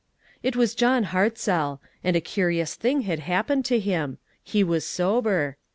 IT was John Hartzell, and a curious thing had happened to him. He was sober.